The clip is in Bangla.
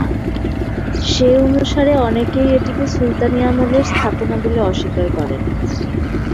সে অনুসারে অনেকেই এটিকে সুলতানী আমলের স্থাপনা বলে অস্বীকার করেন।